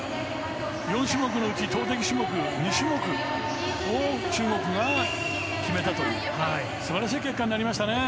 ４種目のうち投てき種目、２種目を中国が決めたという素晴らしい結果になりましたね。